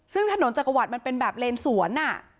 ซึ่งถนนจักรวรรดิมันเป็นแบบเลนสวน